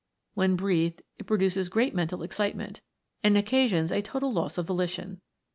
When breathed it produces great mental excitement, and occasions a total loss of volition.